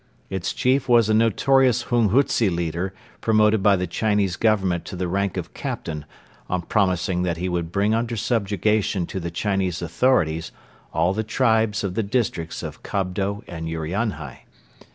Its chief was a notorious hunghutze leader promoted by the Chinese Government to the rank of captain on promising that he would bring under subjugation to the Chinese authorities all the tribes of the districts of Kobdo and Urianhai.